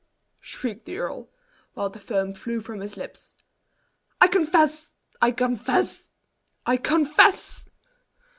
shrieked the earl, while the foam flew from his lips. "I confess! I confess! I confess!"